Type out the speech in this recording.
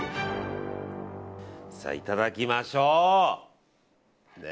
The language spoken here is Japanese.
さあ、いただきましょう。